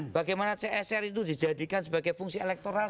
bagaimana csr itu dijadikan sebagai fungsi elektoral